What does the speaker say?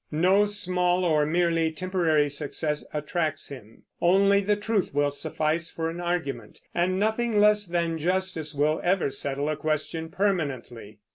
No small or merely temporary success attracts him; only the truth will suffice for an argument; and nothing less than justice will ever settle a question permanently.